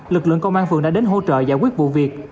lực lượng công an phường đã đến hỗ trợ giải quyết vụ việc